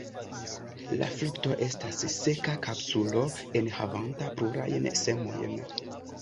La frukto estas seka kapsulo enhavanta plurajn semojn.